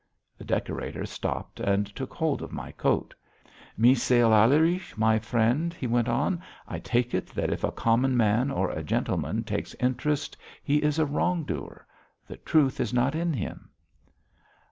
The decorator stopped and took hold of my coat. "Misail Alereich, my friend," he went on, "I take it that if a common man or a gentleman takes interest, he is a wrong doer. The truth is not in him."